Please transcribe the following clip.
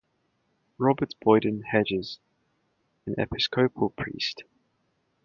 Robert Boyden Hedges, an Episcopal priest.